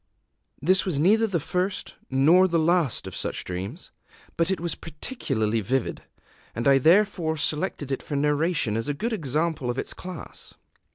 This was neither the first nor the last of such dreams; but it was particularly vivid, and I therefore selected it for narration as a good example of its class.